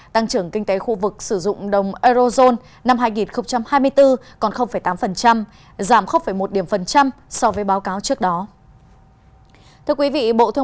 tăng trưởng kinh tế khu vực sử dụng đồng eurozone năm hai nghìn hai mươi bốn còn tám giảm một so với báo cáo trước đó